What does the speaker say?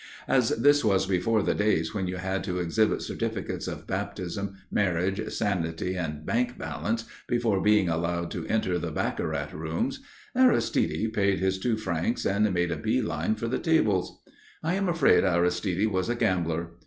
As this was before the days when you had to exhibit certificates of baptism, marriage, sanity and bank balance before being allowed to enter the baccarat rooms, Aristide paid his two francs and made a bee line for the tables. I am afraid Aristide was a gambler.